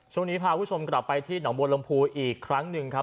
ช่วงนี้พาคุณผู้ชมกลับไปที่หนองบัวลำพูอีกครั้งหนึ่งครับ